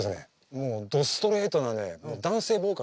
もうどストレートな男性ボーカル。